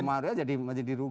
semuanya jadi menjadi rupa